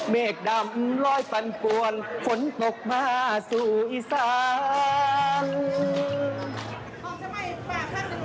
เมฆดำลอยปันปวนฝนตกมาสู่อีสาน